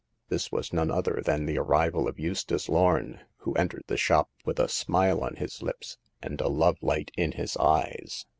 This was none other than the arrival of Eustace Lorn, who entered the shop with a smile on his lips and a love light in his eyes.